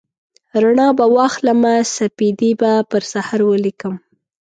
رڼا به واخلمه سپیدې به پر سحر ولیکم